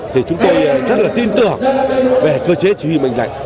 thì chúng tôi rất là tin tưởng về cơ chế chỉ huy mạnh lạnh